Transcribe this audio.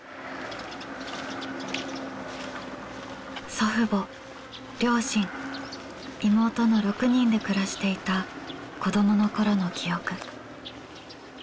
祖父母両親妹の６人で暮らしていた子どものころの記憶。